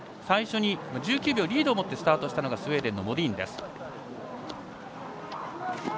最初に１９秒リードを持ってスタートしたのがスウェーデンのモディーンです。